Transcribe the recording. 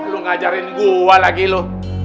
lu ngajarin gua lagi lu